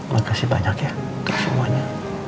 makasih banyak ya untuk semuanya